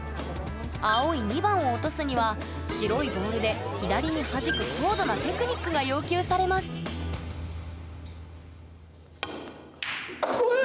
青い２番を落とすには白いボールで左に弾く高度なテクニックが要求されますうええ！